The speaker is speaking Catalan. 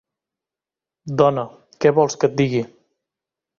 Dona, què vols que et digui?